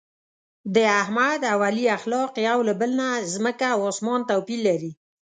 د احمد او علي اخلاق یو له بل نه ځمکه او اسمان توپیر لري.